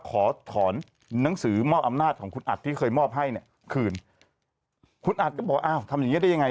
ขอถอนหนังสือมอบอำนาจของคุณอัดที่เคยมอบให้เนี่ยคืนคุณอัดก็บอกอ้าวทำอย่างเงี้ได้ยังไง